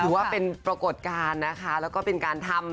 ว่าปรากฏการณ์นะคะแล้วก็เป็นการทำ